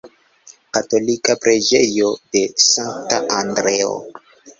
Katolika preĝejo de Sankta Andreo.